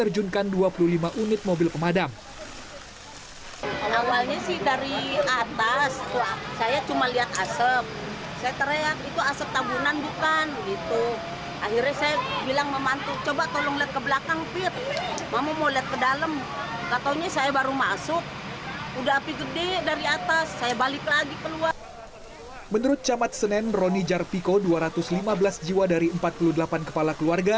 roni jarpiko dua ratus lima belas jiwa dari empat puluh delapan kepala keluarga